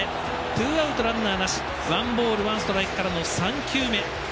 ツーアウト、ランナーなしワンボールワンストライクからの３球目。